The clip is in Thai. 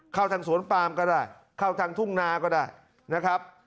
เข้าทางสวนปามก็ได้เข้าทางทุ่งนาก็ได้นะครับ